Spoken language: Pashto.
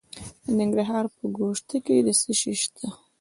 د ننګرهار په ګوشته کې څه شی شته؟